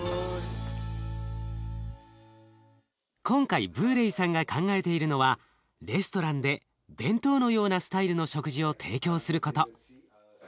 今回ブーレイさんが考えているのはレストランで弁当のようなスタイルの食事を提供すること。